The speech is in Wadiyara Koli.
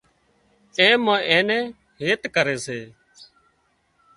اين ما اين نين هيت ڪري سي